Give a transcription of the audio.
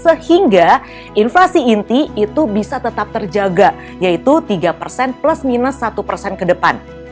sehingga inflasi inti itu bisa tetap terjaga yaitu tiga persen plus minus satu persen ke depan